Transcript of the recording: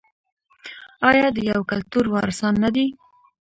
آیا د یو کلتور وارثان نه دي؟